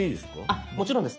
あっもちろんです。